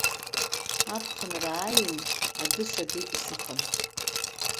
Аԥхынра ааин, адәы сагеит исыхан.